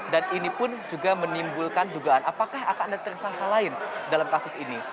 dan ini pun juga menimbulkan dugaan apakah akan ada tersangka lain dalam kasus ini